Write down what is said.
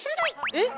えっ。